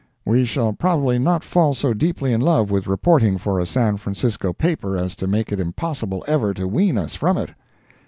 We shall probably not fall so deeply in love with reporting for a San Francisco paper as to make it impossible ever to wean us from it.